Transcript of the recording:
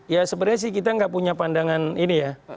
ya sebenarnya sih kita nggak punya pandangan ini ya